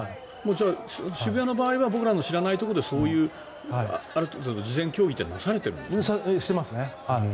渋谷の場合は僕らの知らないところである程度事前協議はされているんですね。